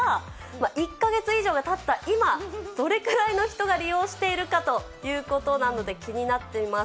１か月以上がたった今、どれくらいの人が利用しているかということなので、気になっています。